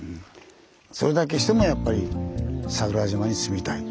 それだけしてもやっぱり桜島に住みたい。